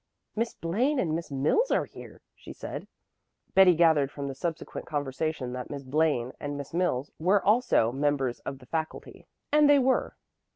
"Miss Blaine and Miss Mills are here," she said. Betty gathered from the subsequent conversation that Miss Blaine and Miss Mills were also members of the faculty; and they were.